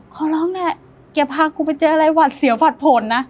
ขอร้องแหละอย่าพากูไปเจออะไรหวัดเสียวหวัดผลนะ